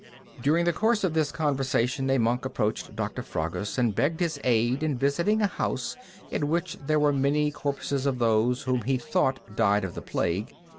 During the course of this conversation a monk approached Doctor Fragus and begged his aid in visiting a house, in which there were many corpses of those whom he thought died of the plague.